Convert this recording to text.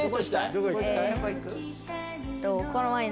どこ行く？